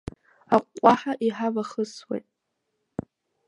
Аҟәҟәаҳәа иҳавахысуеит…